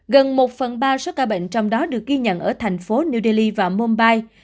gần một phần ba số ca bệnh trong đó được ghi nhận ở thành phố new delhi và mumbai